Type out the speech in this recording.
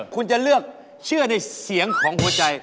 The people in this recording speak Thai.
คุณจะเลือกเชื่อในเสียงของหัวใจ